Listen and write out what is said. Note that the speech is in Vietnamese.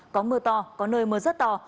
có mưa to có nơi mưa rất to